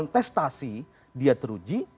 testasi dia teruji